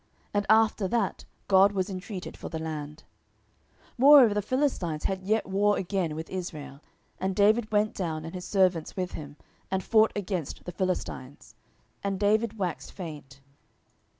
And after that God was intreated for the land. 10:021:015 Moreover the Philistines had yet war again with Israel; and David went down, and his servants with him, and fought against the Philistines: and David waxed faint.